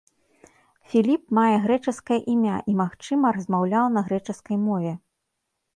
Філіп мае грэчаскае імя і, магчыма, размаўляў на грэчаскай мове.